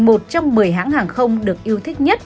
một trong một mươi hãng hàng không được yêu thích nhất